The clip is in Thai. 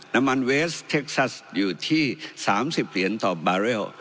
น้ำมันเวสเท็กซัสอยู่ที่๓๐เหรียญต่อบาร์เรล